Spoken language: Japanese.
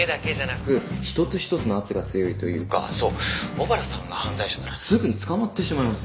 小原さんが犯罪者ならすぐに捕まってしまいます。